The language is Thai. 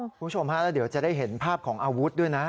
คุณผู้ชมฮะแล้วเดี๋ยวจะได้เห็นภาพของอาวุธด้วยนะ